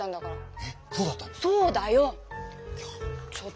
えっ⁉そうだったの？